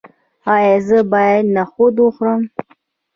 ایا زه باید نخود وخورم؟